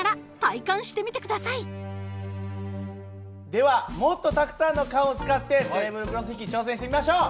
ではもっとたくさんの缶を使ってテーブルクロス引き挑戦してみましょう。